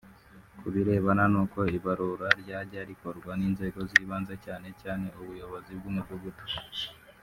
Ku birebana n’uko Ibarura ryajya rikorwa n’inzego z’ibanze cyane cyane ubuyobozi bw’umudugudu